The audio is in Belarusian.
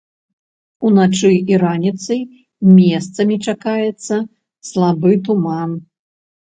Уначы і раніцай месцамі чакаецца слабы туман.